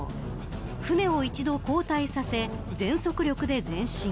船を一度、後退させ全速力で前進。